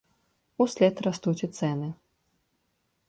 Услед растуць і цэны.